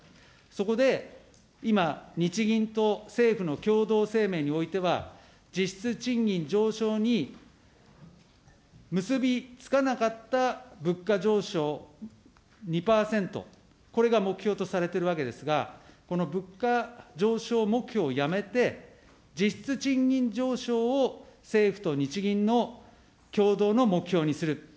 そこで今、日銀と政府の共同声明においては、実質賃金上昇に結び付かなかった物価上昇２％、これが目標とされているわけですが、この物価上昇目標をやめて、実質賃金上昇を政府と日銀の共同の目標にする。